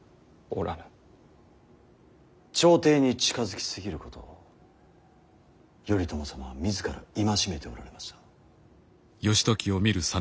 朝廷に近づき過ぎることを頼朝様は自ら戒めておられました。